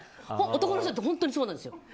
男の人って本当にそうなんですよ。